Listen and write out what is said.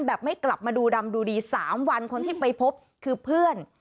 ไม่กลับมาดูดำดูดี๓วันคนที่ไปพบคือเพื่อน